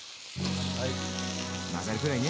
混ざるぐらいね。